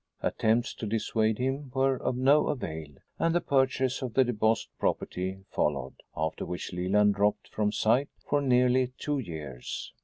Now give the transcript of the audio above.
Attempts to dissuade him were of no avail, and the purchase of the DeBost property followed, after which Leland dropped from sight for nearly two years.